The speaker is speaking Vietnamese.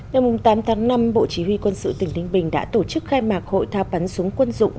năm tám tháng năm bộ chỉ huy quân sự tỉnh đinh bình đã tổ chức khai mạc hội thao bắn súng quân dụng